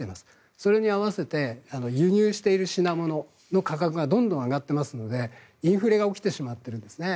それに合わせて輸入している品物の価格がどんどん上がっていますのでインフレが起きてしまっているんですね。